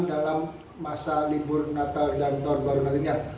dalam masa libur natal dan tahun baru nantinya